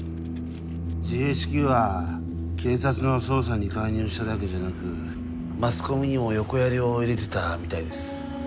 ＧＨＱは警察の捜査に介入しただけじゃなくマスコミにも横やりを入れてたみたいです。